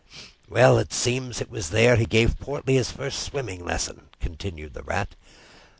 "Well, it seems that it was there he gave Portly his first swimming lesson," continued the Rat.